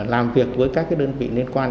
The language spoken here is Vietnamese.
làm việc với các đơn vị liên quan